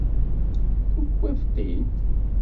Tewwiḍ-t-id!